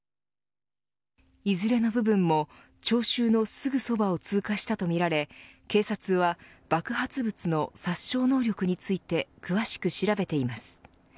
いずれの部分も聴衆のすぐそばを通過したとみられ警察は、爆発物の殺傷能力について詳しく調べています。